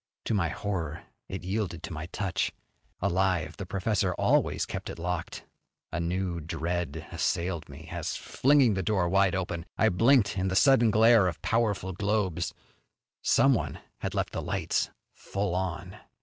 To my horror it yielded to my touch. Alive, the professor always kept it locked. A new dread assailed me, as, flinging the door wide open, I blinked in the sudden glare of powerful globes. Someone had left the lights full on!